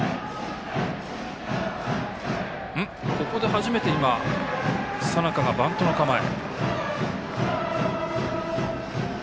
初めて佐仲がバントの構え。